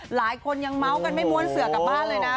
หลายคนยังเมาส์กันไม่ม้วนเสือกลับบ้านเลยนะ